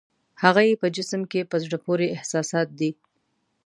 هغه یې په جسم کې په زړه پورې احساسات دي.